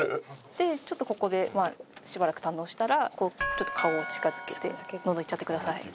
でちょっとここでしばらく堪能したらこうちょっと顔を近づけてどんどんいっちゃってください。